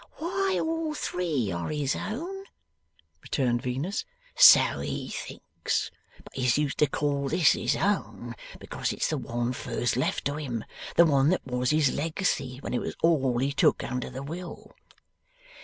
'Why all three are his own,' returned Venus. 'So he thinks; but he's used to call this his own, because it's the one first left to him; the one that was his legacy when it was all he took under the will.